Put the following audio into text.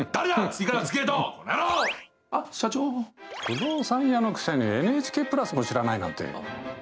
不動産屋のくせにＮＨＫプラスも知らないなんて。